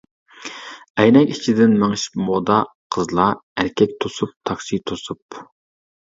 ئەينەك ئىچىدىن مېڭىشىپ مودا قىزلار ئەركەك توسۇپ تاكسى توسۇپ.